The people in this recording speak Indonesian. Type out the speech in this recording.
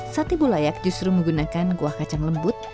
sate bulayak justru menggunakan buah kacang lembut